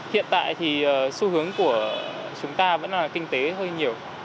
hiện tại thì xu hướng của chúng ta vẫn là kinh tế hơi nhiều